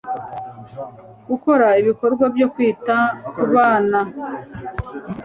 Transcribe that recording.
gukora ibikorwa byo kwita ku bana